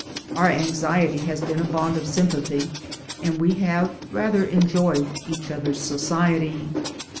Our anxiety has been a bond of sympathy, and we have rather enjoyed each other's society.